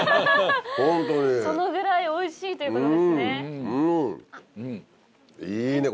そのぐらいおいしいということですね。